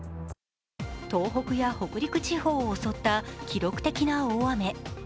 東北や北陸地方を襲った記録的な大雨。